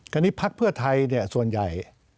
นี้พักเพื่อไทยเนี่ยส่วนใหญ่